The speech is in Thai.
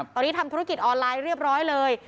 ตอนนี้ทำธุรกิจออนไลน์เรียบร้อยเลย